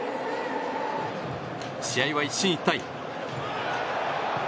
試合は一進一退。